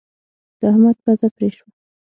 د احمد پزه پرې شوه.